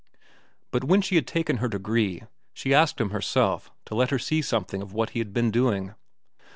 But when she had taken her degree, she asked him herself to let her see something of what he had been doing.